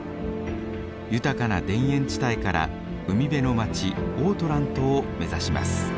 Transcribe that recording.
豊かな田園地帯から海辺の街オートラントを目指します。